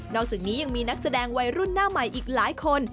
อกจากนี้ยังมีนักแสดงวัยรุ่นหน้าใหม่อีกหลายคน